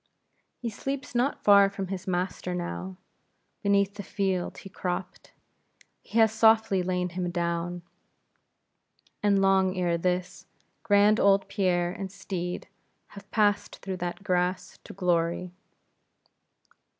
He sleeps not far from his master now; beneath the field he cropt, he has softly lain him down; and long ere this, grand old Pierre and steed have passed through that grass to glory.